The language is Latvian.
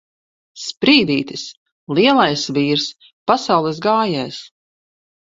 Sprīdītis! Lielais vīrs! Pasaules gājējs!